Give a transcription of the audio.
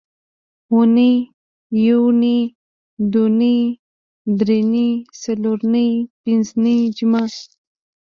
اونۍ یونۍ دونۍ درېنۍ څلورنۍ پینځنۍ جمعه